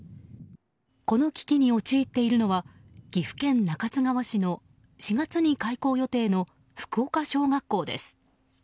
この危機に陥っているのは岐阜県中津川市の４月に開校予定の福岡小学校です。